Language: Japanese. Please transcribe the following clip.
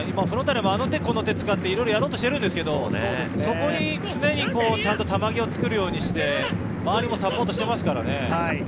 フロンターレもあの手この手を使っていろいろやろうとしてるんですけれど、そこに常にちゃんと球際を作るようにして、周りもサポートしてますからね。